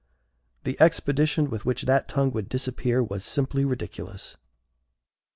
The expedition with which that tongue would disappear was simply ridiculous.